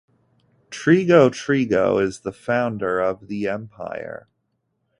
Trigo - Trigo is the founder of the Empire.